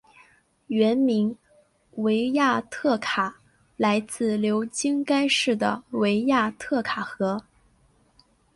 原名维亚特卡来自流经该市的维亚特卡河。